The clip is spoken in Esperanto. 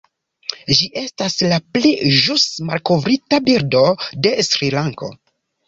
Ĝi estas la pli ĵus malkovrita birdo de Srilanko.